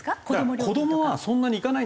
子どもはそんなに行かないんですよ